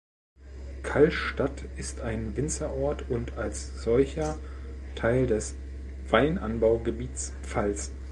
Kallstadt ist ein Winzerort und als solcher Teil des Weinanbaugebiets Pfalz.